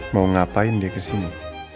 mau ngapain dia kesini